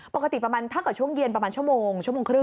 ปกติประมาณทั้งกับช่วงเย็นประมาณชั่วโมงชั่วโมงครึ่ง